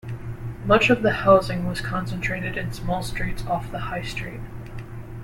Much of the housing was concentrated in small streets off the High Street.